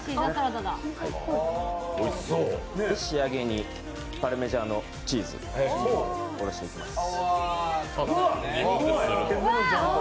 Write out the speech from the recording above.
仕上げにパルミジャーノチーズをおろしていきます。